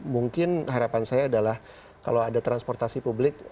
mungkin harapan saya adalah kalau ada transportasi publik